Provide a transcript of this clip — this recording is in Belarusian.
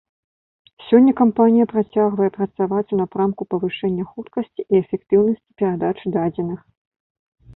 Сёння кампанія працягвае працаваць у напрамку павышэння хуткасці і эфектыўнасці перадачы дадзеных.